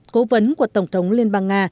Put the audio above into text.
cố vấn của tổng thống liên bang nga